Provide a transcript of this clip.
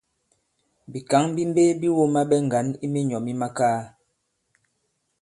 Bìkǎŋ bi mbe bi wōma ɓɛ ŋgǎn i minyɔ̌ mi makaa.